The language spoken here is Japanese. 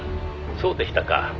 そうでしたか」